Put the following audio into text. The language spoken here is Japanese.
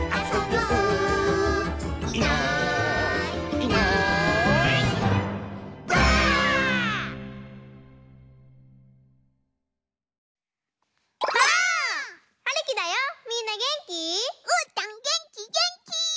うーたんげんきげんき！